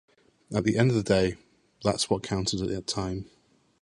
At the end of the day that's what counted at the time.